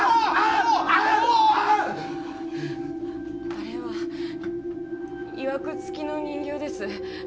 あれはいわくつきの人形です。